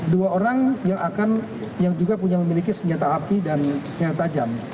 dua orang yang juga punya memiliki senjata api dan senjata tajam